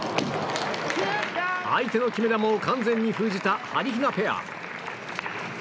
相手の決め球を完全に封じたはりひなペア。